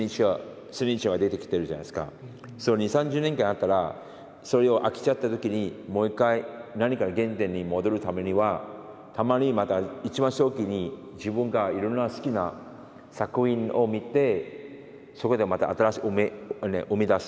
それ２０３０年間やったらそれを飽きちゃった時にもう一回何かの原点に戻るためにはたまにまた一番初期に自分がいろんな好きな作品を見てそこでまた新しく生み出す。